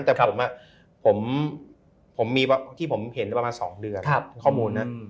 แต่ผมมีที่ผมเห็นประมาณ๒เดือนข้อมูลนะ